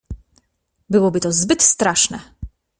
"Byłoby to zbyt straszne!"